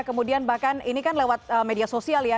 kemudian bahkan ini kan lewat media sosial ya